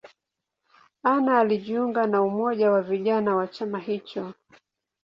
Anna alijiunga na umoja wa vijana wa chama hicho.